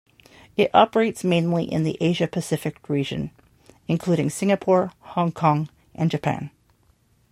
It operates mainly in the Asia-Pacific region, including Singapore, Hong Kong and Japan.